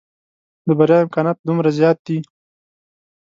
د بريا امکانات دومره زيات دي.